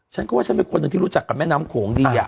ฉันก็ว่าฉันเป็นคนหนึ่งที่รู้จักกับแม่น้ำโขงดี